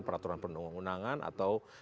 peraturan perundangan atau